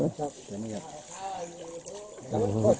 เหลืองเท้าอย่างนั้น